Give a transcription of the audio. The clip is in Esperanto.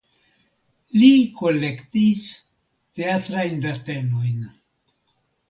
Li kolektis teatrajn datenojn.